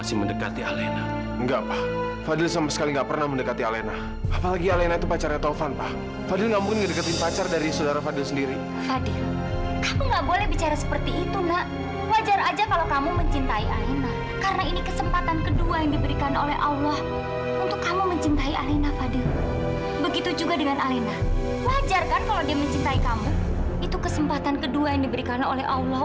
itu kesempatan kedua yang diberikan oleh allah